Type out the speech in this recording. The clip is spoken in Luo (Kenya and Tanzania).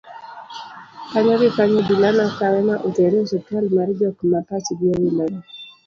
kanyo gi kanyo obila nokawe ma otere e ospital mar jok ma pachgi owilore